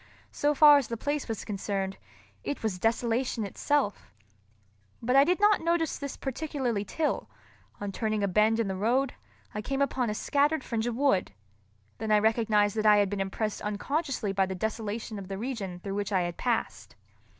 So far as the place was concerned, it was desolation itself. But I did not notice this particularly till, on turning a bend in the road, I came upon a scattered fringe of wood; then I recognized that I had been impressed unconsciously by the desolation of the region through which I had passed.